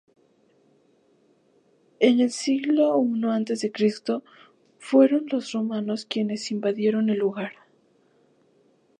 En el siglo I a. C. fueron los romanos quienes invadieron el lugar.